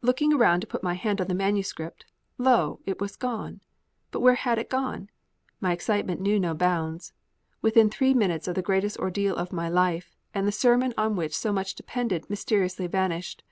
Looking around to put my hand on the manuscript, lo! it was gone. But where had it gone? My excitement knew no bound. Within three minutes of the greatest ordeal of my life, and the sermon on which so much depended mysteriously vanished!